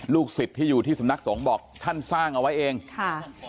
สิทธิ์ที่อยู่ที่สำนักสงฆ์บอกท่านสร้างเอาไว้เองค่ะ